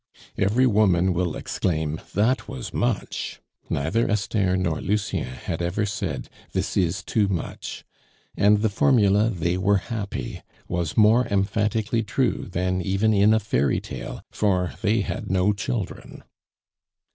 Every woman will exclaim, "That was much!" Neither Esther nor Lucien had ever said, "This is too much!" And the formula, "They were happy," was more emphatically true, than even in a fairy tale, for "they had no children."